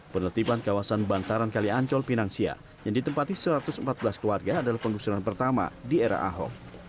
penertiban kawasan bantaran kaliancol pinangsia yang ditempati satu ratus empat belas keluarga adalah penggusuran pertama di era ahok